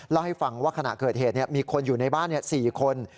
เล่าให้ฟังว่าขณะเกิดเหตุมีคนอยู่ในบ้าน๔คน